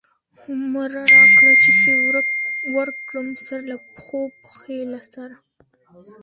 هو مره را کړه چی پی ورک کړم، سرله پښو، پښی له سره